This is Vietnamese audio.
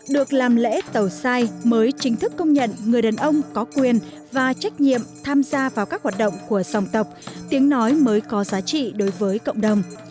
được làm lễ tàu sai mới chính thức công nhận người đàn ông có quyền và trách nhiệm tham gia vào các hoạt động của dòng tộc tiếng nói mới có giá trị đối với cộng đồng